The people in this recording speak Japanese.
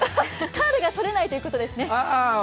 カーブがとれないということですね。